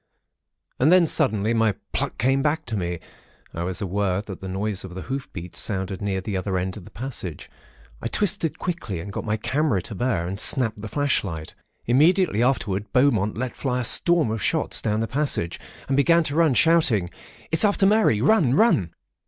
"And then, suddenly, my pluck came back to me. I was aware that the noise of the hoof beats sounded near the other end of the passage. I twisted quickly, and got my camera to bear, and snapped the flashlight. Immediately afterwards, Beaumont let fly a storm of shots down the passage, and began to run, shouting:—'It's after Mary. Run! Run!'